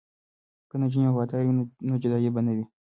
که نجونې وفادارې وي نو جدایی به نه وي.